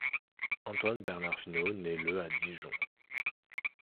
Antoine Bernard Finot naît le à Dijon.